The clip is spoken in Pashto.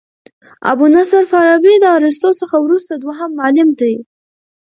ابو نصر فارابي د ارسطو څخه وروسته دوهم معلم دئ.